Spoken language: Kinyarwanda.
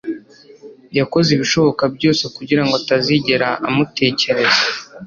yakoze ibishoboka byose kugirango atazigera amutekereza